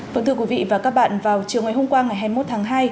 vâng thưa quý vị và các bạn vào chiều ngày hôm qua ngày hai mươi một tháng hai